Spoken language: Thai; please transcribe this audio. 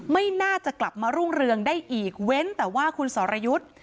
ไม่น่าจะกลับมารุ่งเรืองได้อีกเว้นแต่ว่าคุณสรยุทธ์